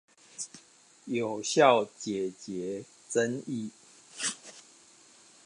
有效解決爭議